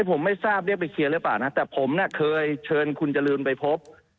ผมไม่ทราบเรียกไปเคลียร์หรือเปล่านะแต่ผมน่ะเคยเชิญคุณจรูนไปพบ